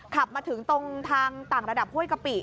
ขับมาถึงตรงทางต่างระดับห้วยกะปิ